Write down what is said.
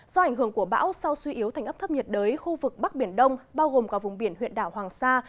do ảnh hưởng của bão sau suy yếu thành ấp thấp nhiệt đới khu vực bắc biển đông bao gồm cả vùng biển huyện đảo hoàng sa